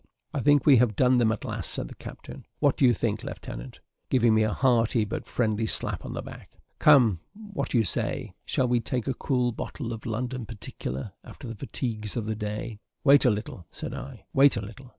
"I think we have done them at last," said the captain; "what do you think, leftenant?" giving me a hearty but very friendly slap on the back. "Come, what say you; shall we take a cool bottle of London particular after the fatigues of the day?" "Wait a little," said I, "wait a little."